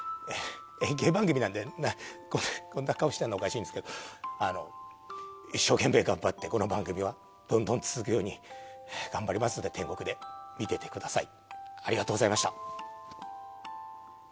演芸番組なんでこんな顔しているのおかしいんですけれども、一生懸命頑張って、この番組をどんどん続くように頑張りますんで、天国で見ていてください。